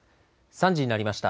３時になりました。